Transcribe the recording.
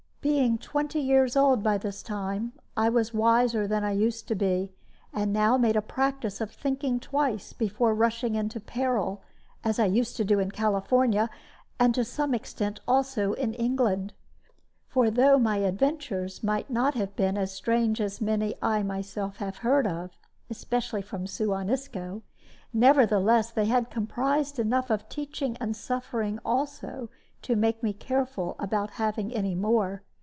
Being twenty years old by this time, I was wiser than I used to be, and now made a practice of thinking twice before rushing into peril, as I used to do in California, and to some extent also in England. For though my adventures might not have been as strange as many I myself have heard of (especially from Suan Isco), nevertheless they had comprised enough of teaching and suffering also to make me careful about having any more.